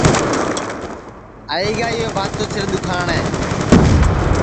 آئی گا یو بھاتو سِر دُؔکھاٹے